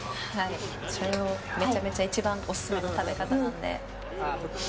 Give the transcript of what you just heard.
それがめちゃめちゃ一番オススメの食べ方なので。